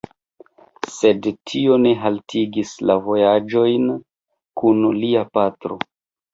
Sed tio ne haltigis la vojaĝojn kun lia patro.